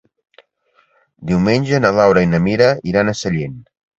Diumenge na Laura i na Mira iran a Sellent.